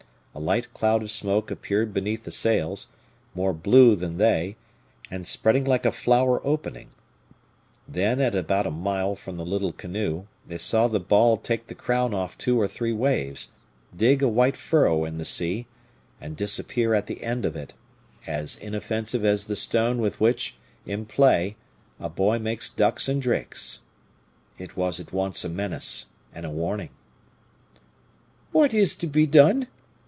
A light cloud of smoke appeared beneath the sails, more blue than they, and spreading like a flower opening; then, at about a mile from the little canoe, they saw the ball take the crown off two or three waves, dig a white furrow in the sea, and disappear at the end of it, as inoffensive as the stone with which, in play, a boy makes ducks and drakes. It was at once a menace and a warning. "What is to be done?"